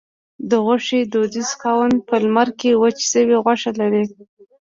د غوښې دودیز خوند په لمر کې وچه شوې غوښه لري.